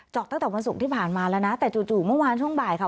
อกตั้งแต่วันศุกร์ที่ผ่านมาแล้วนะแต่จู่เมื่อวานช่วงบ่ายค่ะ